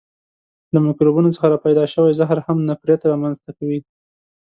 له میکروبونو څخه را پیدا شوی زهر هم نفریت را منځ ته کوي.